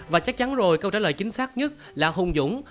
và chắc chắn rồi câu trả lời chính xác nhất là hung dũng